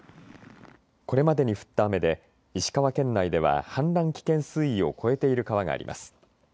これまでに降った雨で石川県内では氾濫危険水位を超えている川があります。